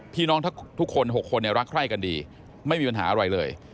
ทุกคน๖คนรักใคร่กันดีไม่มีปัญหาอะไรเลย